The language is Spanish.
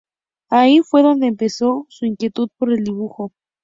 Allí fue donde empezó su inquietud por el dibujo.